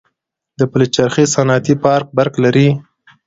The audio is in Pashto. د پلچرخي صنعتي پارک برق لري؟